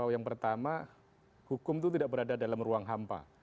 yang pertama hukum itu tidak berada dalam ruang hampa